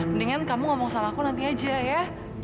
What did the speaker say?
mendingan kamu ngomong sama aku nanti aja ya